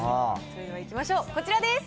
それではいきましょう、こちらです。